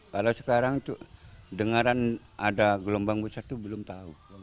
kalau sekarang dengaran ada gelombang besar itu belum tahu